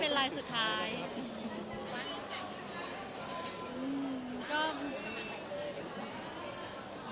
ปัญญาซ้าย